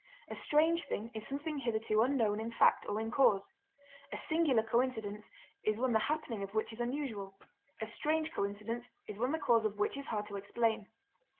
A strange thing is something hitherto unknown in fact or in cause. A singular coincidence is one the happening of which is unusual; a strange coincidence is one the cause of which is hard to explain.